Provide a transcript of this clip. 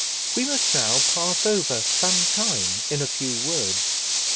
We must now pass over some time in a few words.